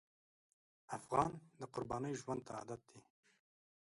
افغان د قربانۍ ژوند ته عادت دی.